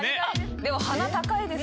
でも鼻高いです。